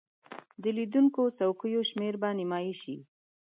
د لیدونکو څوکیو شمیر به نیمایي شي.